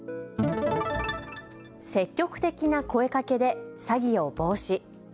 積極的な声かけで詐欺を防止。